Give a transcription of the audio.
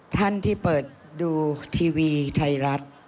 ท่านที่เปิดดูทีวีไทยรัฐ